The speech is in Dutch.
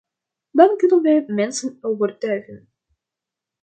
Dan kunnen wij mensen overtuigen.